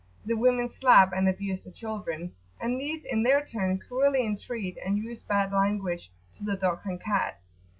The women slap and abuse the children, and these in their turn cruelly entreat, and use bad language to, the dogs and cats.